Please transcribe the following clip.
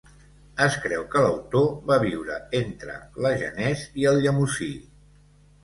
Es creu que l'autor va viure entre l'Agenès i el Llemosí.